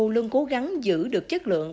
luôn cố gắng giữ được chất lượng